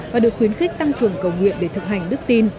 và được khuyến khích tăng cường cầu nguyện để thực hành đức tin